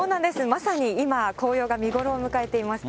まさに今、紅葉が見頃を迎えています。